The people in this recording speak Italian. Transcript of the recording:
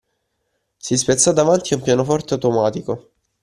Si spezzò davanti a un pianoforte automatico.